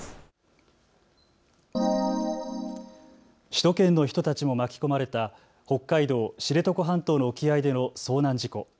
首都圏の人たちも巻き込まれた北海道知床半島の沖合での遭難事故。